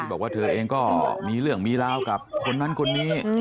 บอกว่าเธอเองก็มีเรื่องมีราวกับคนนั้นคนนี้